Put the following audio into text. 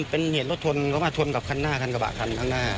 เป็นเหตุรถชนเขามาชนกับคันหน้าคันกระบะคันข้างหน้า